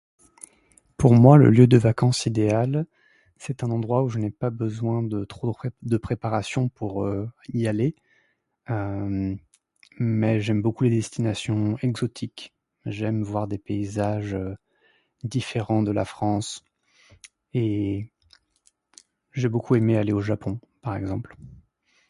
Pour moi, le lieu de vacances idéal, c’est un endroit où je n'ai pas besoin de trop de préparation pour y aller. Euh, mais j'aime beaucoup les destinations exotiques. J’aime voir des paysages différents de la France, et j’ai beaucoup aimé aller au Japon, par exemple.